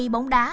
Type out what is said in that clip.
bốn mươi bóng đá